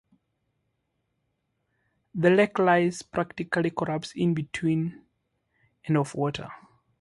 The wreck lies partially collapsed in between and of water.